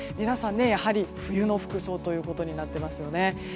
皆さん冬の服装ということになっていますよね。